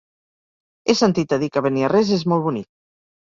He sentit a dir que Beniarrés és molt bonic.